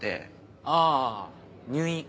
あぁ入院。